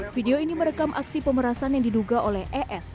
video ini merekam aksi pemerasan yang diduga oleh es